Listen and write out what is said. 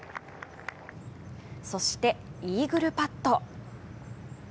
そして、イーグルパット。